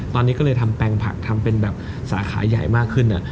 ตอนนี้ก็เลยทำแปลงผักทำเป็นแบบสาขาใหญ่มากขึ้น